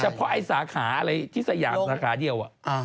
เพราะไอ้สาขาอะไรที่สยามสาขาเดียว